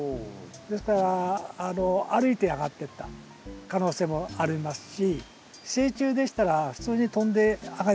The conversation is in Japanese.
ですから歩いて上がってった可能性もありますし成虫でしたら普通に飛んで上がります。